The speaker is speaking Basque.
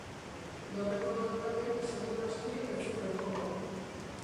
Dorreko kanpaiek, segur aski, ez zuten joko.